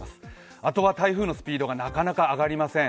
あとは台風のスピードがなかなか上がりません。